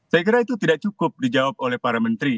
saya kira itu tidak cukup dijawab oleh para menteri